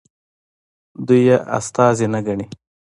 دوی یې استازي نه ګڼي.